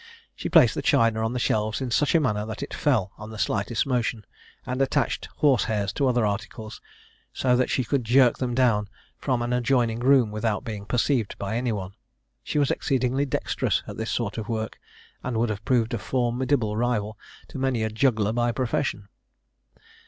She placed the china on the shelves in such a manner that it fell on the slightest motion, and attached horse hairs to other articles, so that she could jerk them down from an adjoining room without being perceived by any one. She was exceedingly dexterous at this sort of work, and would have proved a formidable rival to many a juggler by profession.